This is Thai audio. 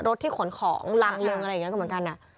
รถที่ขนของรังหนึ่งอะไรอย่างนี้ก็เหมือนกัน